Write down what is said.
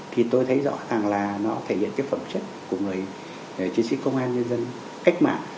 thì tôi thấy rõ ràng là nó thể hiện cái phẩm chất của người chiến sĩ công an nhân dân cách mạng